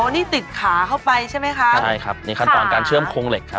นี่ติดขาเข้าไปใช่ไหมคะใช่ครับนี่ขั้นตอนการเชื่อมโครงเหล็กครับ